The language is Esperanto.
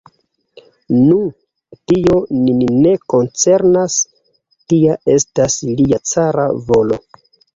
Nu, tio nin ne koncernas, tia estas lia cara volo!